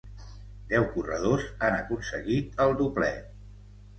Deu corredors han aconseguit el doblet.